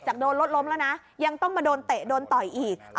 การทำลายร่างกายเนี่ยครับ